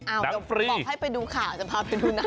เดี๋ยวบอกให้ไปดูข่าวจะพาไปดูหนัง